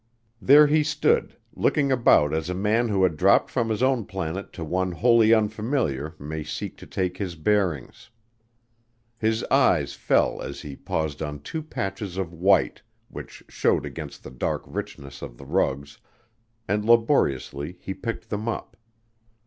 There he stood looking about as a man who has dropped from his own planet to one wholly unfamiliar may seek to take his bearings. His eyes fell as he paused on two patches of white which showed against the dark richness of the rugs and laboriously he picked them up.